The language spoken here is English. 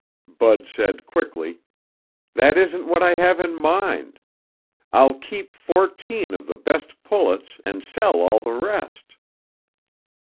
Bud said quickly, "That isn't what I have in mind. I'll keep fourteen of the best pullets and sell all the rest."